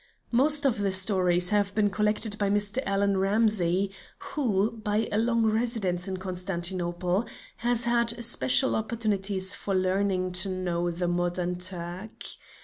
Most of the stories have been collected by Mr. Allan Ramsay, who, by a long residence in Constantinople, has had special opportunities for learning to know the modern Turk.